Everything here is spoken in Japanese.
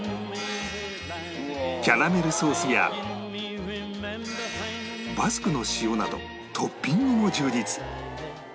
キャラメルソースやバスクの塩などトッピングも充実